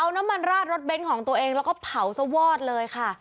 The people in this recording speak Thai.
เอาน้ำมันราดรถเน้นของตัวเองแล้วก็เผาซะวอดเลยค่ะ